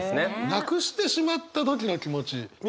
なくしてしまった時の気持ち美村さんは？